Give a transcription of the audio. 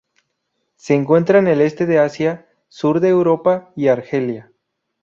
Se encuentra en el Este de Asia, Sur de Europa y Argelia.